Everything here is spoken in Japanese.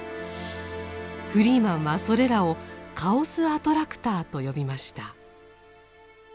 フリーマンはそれらをカオス・アトラクターと呼びました。